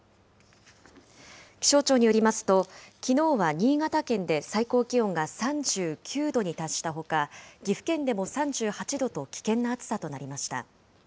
気象庁によりますと、きのうは新潟県で最高気温が３９度に達したほか、岐阜県でも３８度と危険な暑さとなりました。